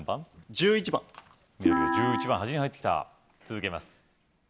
１１番緑が１１番端に入ってきた続けます